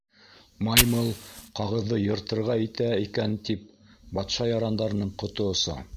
Маймыл ҡағыҙҙы йыртырға итә икән тип, батша ярандарының ҡото оса.